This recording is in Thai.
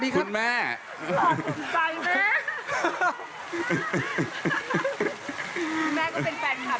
พี่แม่ก็เป็นแฟนแข่าพี่พีชค่ะ